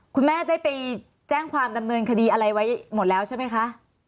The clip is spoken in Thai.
คุณแม่ได้ไปแจ้งความดำเนินคดีอะไรไว้หมดแล้วใช่ไหมคะ